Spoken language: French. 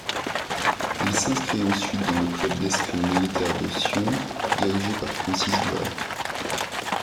Il s'inscrit ensuite dans le club d'escrime militaire de Sion, dirigé par Francis Duret.